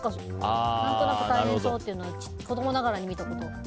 何となく大変そうっていうのは子供ながらに見たことがある。